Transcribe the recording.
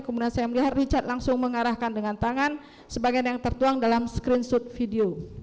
kemudian saya melihat richard langsung mengarahkan dengan tangan sebagian yang tertuang dalam screenshot video